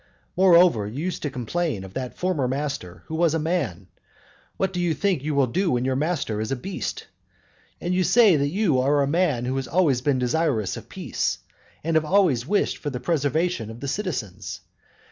Moreover, you used to complain of that former master, who was a man; what do you think you will do when your master is a beast? And you say that you are a man who have always been desirous of peace, and have always wished for the preservation of all the citizens.